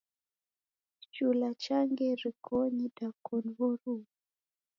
Kichula changia irikonyi idakoni w'oruw'u.